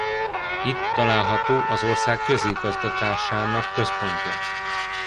Itt található az ország közigazgatásának központja.